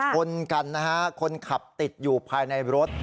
ชนกันนะฮะคนขับติดอยู่ภายในรถ